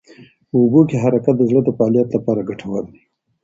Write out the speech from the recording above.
په اوبو کې حرکت د زړه د فعالیت لپاره ګټور دی.